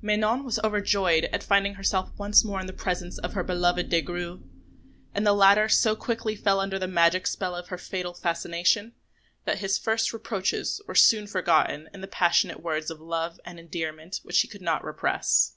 Manon was overjoyed at finding herself once more in the presence of her beloved Des Grieux; and the latter so quickly fell under the magic spell of her fatal fascination, that his first reproaches were soon forgotten in the passionate words of love and endearment which he could not repress.